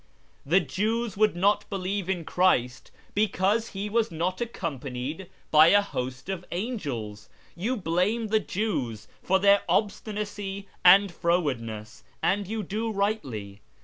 The Jews would not believe in Christ because ' He was not accompanied by a host of angels ; you blame the Jews for their obstinacy and frowardness, and you do rightly.